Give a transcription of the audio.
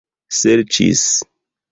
serĉis